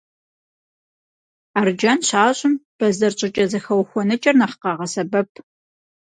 Арджэн щащӏым, бэзэр щӏыкӏэ зэхэухуэнэкӏэр нэхъ къагъэсэбэп.